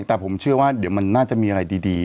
แต่ผมเชื่อว่าเดี๋ยวมันน่าจะมีอะไรดี